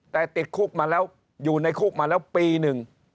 แต่ติดคุกมาแล้วอยู่ในคุกมาแล้วปีหนึ่ง